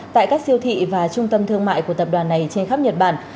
tại các siêu thị và trung tâm thương mại của tập đoàn này trên khắp nhật bản